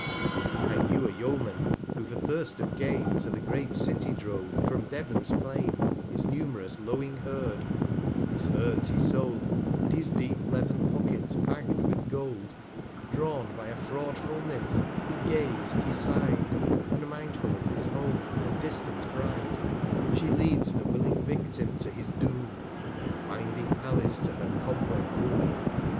I knew a Yeoman, who for thirst of Gain, 285 To the great City drove from Devon s Plain His numerous lowing Herd; his Herds he sold, And his deep leathern Pocket bagg'd with Gold; Drawn by a fraudful Nyrnph, he gaz'd, he sigh'd; Unmindful of his Home, and distant Bride, 290 She leads the willing Vicftim to his Doom, Through winding Alleys to her Cobweb Room.